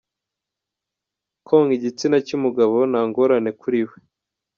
Konka igitsina cy’umugabo nta ngorane kuri we!.